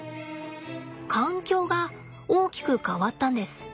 環境が大きく変わったんです。